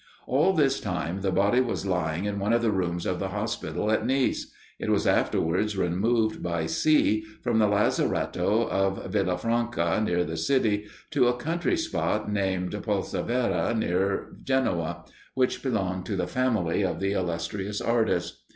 All this time the body was lying in one of the rooms of the hospital at Nice; it was afterwards removed by sea from the lazaretto of Villa Franca, near the city, to a country spot named Polcevera, near Genoa, which belonged to the family of the illustrious artist.